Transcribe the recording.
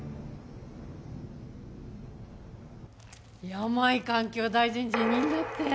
山井環境大臣辞任だって。